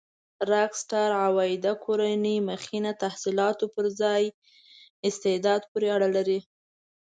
راک سټار عوایده کورنۍ مخینه تحصيلاتو پر ځای استعداد پورې اړه لري.